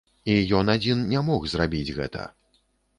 І ён адзін не мог зрабіць гэта.